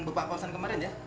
bapak kawasan kemarin ya